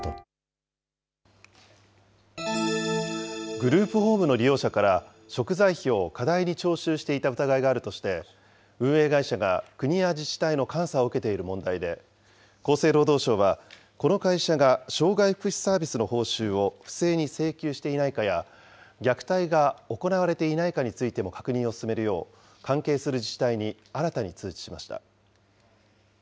グループホームの利用者から、食材費を過大に徴収していた疑いがあるとして、運営会社が国や自治体の監査を受けている問題で、厚生労働省は、この会社が障害福祉サービスの報酬を不正に請求していないかや、虐待が行われていないかについても確認を進めるよう、関係する自治体に新たに通知しました。